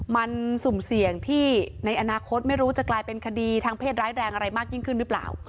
มันสุ่มเสี่ยงที่ในอนาคตไม่รู้จะกลายเป็นคดีทางเพศร้ายแรงอะไรมากยิ่งขึ้นหรือเปล่า